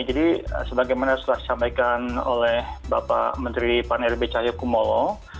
jadi sebagaimana sudah disampaikan oleh bapak menteri pan irb cahaya kumolo